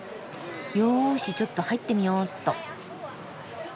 よしちょっと入ってみよっと。